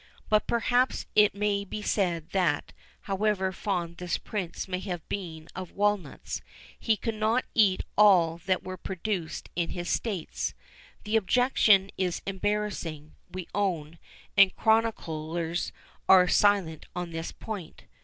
But perhaps it may be said that, however fond this prince may have been of walnuts, he could not eat all that were produced in his states. The objection is embarrassing, we own, and chroniclers are silent on this point.